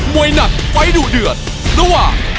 วยหนักไฟล์ดุเดือดระหว่าง